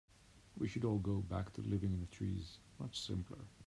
We should all go back to living in the trees, much simpler.